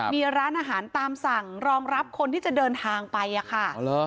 มีร้านอาหารตามสั่งรองรับคนที่จะเดินทางไปอะค่ะ